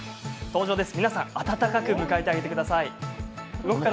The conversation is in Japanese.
皆さん温かく迎えてあげてください。